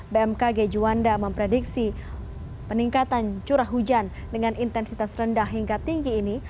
bmkg juanda memprediksi peningkatan curah hujan dengan intensitas rendah hingga tinggi ini